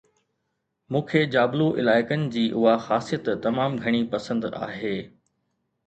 مون کي جابلو علائقن جي اها خاصيت تمام گهڻي پسند آهي